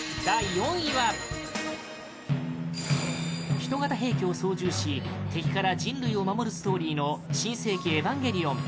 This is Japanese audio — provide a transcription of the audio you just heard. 人型兵器を操縦し敵から人類を守るストーリーの「新世紀エヴァンゲリオン」。